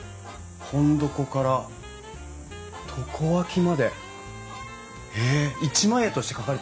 本床から床脇までえっ一枚絵として描かれてるんでしょ？